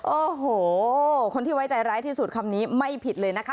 โอ้โหคนที่ไว้ใจร้ายที่สุดคำนี้ไม่ผิดเลยนะคะ